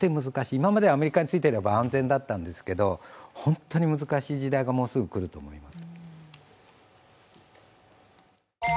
今まではアメリカについてれば安全だったんですけど本当に難しい時代がもうすぐ来ます。